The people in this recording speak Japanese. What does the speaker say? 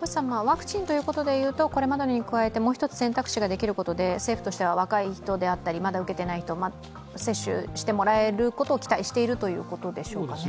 ワクチンということでいうとこれまでのに加えてもう一つ選択肢ができることで、政府としては若い人であったり、まだ受けていない人、接種してもらえることを期待しているということでしょうかね。